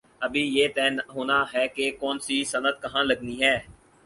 ابھی یہ طے ہو نا ہے کہ کون سی صنعت کہاں لگنی ہے۔